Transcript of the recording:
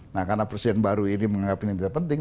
nah karena presiden baru ini menganggap ini tidak penting